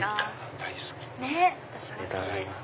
私も好きです。